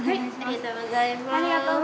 ありがとうございます。